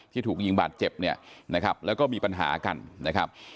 ถูกยิงบาดเจ็บเนี่ยนะครับแล้วก็มีปัญหากันนะครับ